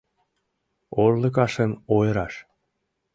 Урлыкашым ойыраш